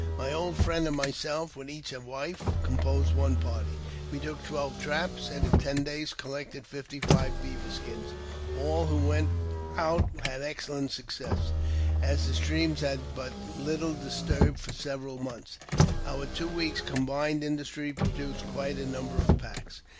My old friend and myself, with each a wife, composed one party ; we took twelve traps, and in ten days collected j fifty five beaver skins. All who went out had excellent success, as the streams had been but little disturbed for several months. Our two weeks' combined industry produced quite a number of packs.